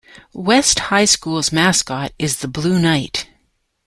West High School's mascot is the Blue Knight.